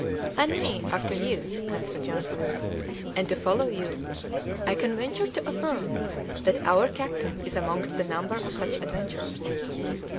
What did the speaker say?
"And me, after you," answered Johnson, "and to follow you; I can venture to affirm that our captain is amongst the number of such adventurers.